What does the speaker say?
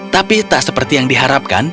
tapi tak seperti yang diharapkan